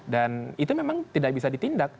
dan itu memang tidak bisa ditindak